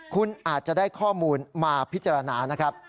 คุณอาจจะได้ข้อมูลมาพิจารณานะครับ